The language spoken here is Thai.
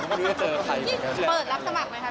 ไม่รู้จะเจอใครเหมือนกัน